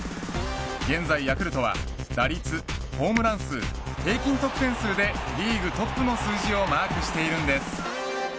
現在ヤクルトは打率ホームラン数平均得点数でリーグトップの数字をマークしているんです。